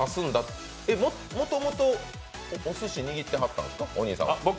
もともとおすしを握ってはったんですかお兄さん。